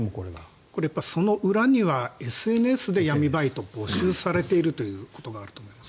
その裏にはＳＮＳで闇バイトを募集されているということがあると思います。